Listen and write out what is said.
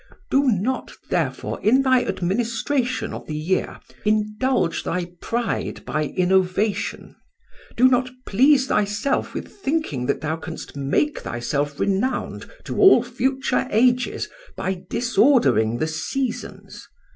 Do not, therefore, in thy administration of the year, indulge thy pride by innovation; do not please thyself with thinking that thou canst make thyself renowned to all future ages by disordering the seasons.